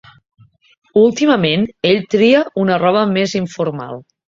Últimament, ell tria una roba més informal.